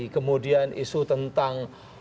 kemudian isu tentang